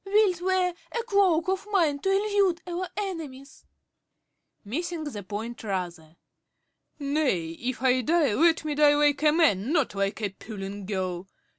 Wilt wear a cloak of mine to elude our enemies? ~Roger~ (missing the point rather). Nay, if I die, let me die like a man, not like a puling girl.